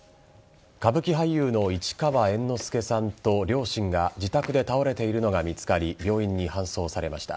歌舞伎俳優の市川猿之助さんと両親が自宅で倒れているのが見つかり病院に搬送されました。